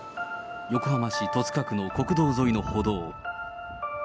横浜市戸塚区の国道沿いの歩道。